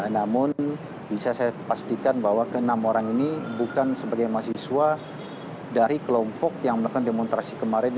namun bisa saya pastikan bahwa ke enam orang ini bukan sebagai mahasiswa dari kelompok yang melakukan demonstrasi kemarin